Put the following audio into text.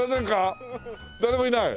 誰もいない？